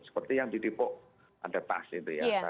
seperti yang di depok ada tas itu ya